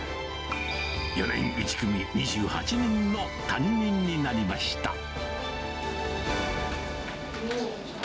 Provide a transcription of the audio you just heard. ４年１組２８人の担任になりました。